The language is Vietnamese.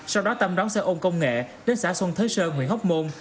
sau đó tâm đón xe ôn công nghệ đến xã xuân thới sơn huyện hóc môn